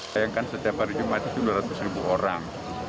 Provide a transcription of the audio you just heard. bayangkan setiap hari jumat itu dua ratus ribu orang